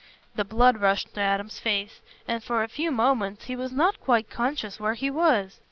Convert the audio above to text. The blood rushed to Adam's face, and for a few moments he was not quite conscious where he was.